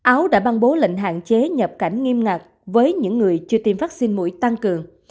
áo đã ban bố lệnh hạn chế nhập cảnh nghiêm ngặt với những người chưa tiêm vaccine mũi tăng cường